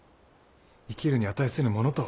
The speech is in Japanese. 生きるに値せぬものとは。